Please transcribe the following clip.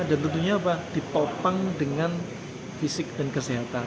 dan tentunya apa ditopang dengan fisik dan kesehatan